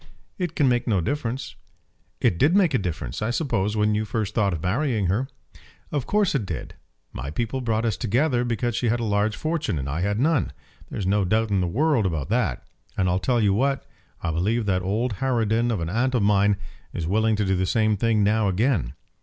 "It can make no difference." "It did make a difference, I suppose, when you first thought of marrying her?" "Of course it did. My people brought us together because she had a large fortune and I had none. There's no doubt in the world about that. And I'll tell you what; I believe that old harridan of an aunt of mine is willing to do the same thing now again.